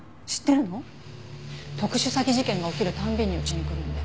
特殊詐欺事件が起きる度にうちに来るんで。